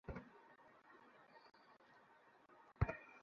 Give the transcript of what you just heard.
তারপর আমি আমার কাজে ব্যস্ত হয়ে পরি।